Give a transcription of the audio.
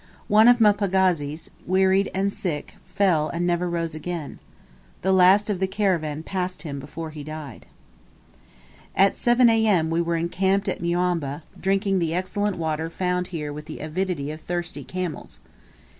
One of my pagazis, wearied and sick, fell, and never rose again. The last of the caravan passed him before he died. At 7 A.M. we were encamped at Nyambwa, drinking the excellent water found here with the avidity of thirsty camels.